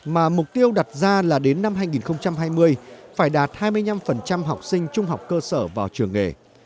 mà mục tiêu đặt ra là đến năm hai nghìn hai mươi phải đạt hai mươi năm học sinh trung học cơ sở vào trường nghề